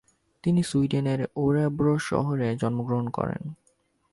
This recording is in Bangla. তিনি সুইডেনের ও্যরেব্রো শহরে জন্মগ্রহণ করেন।